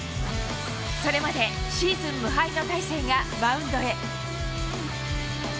それまでシーズン無敗の大勢がマウンドへ。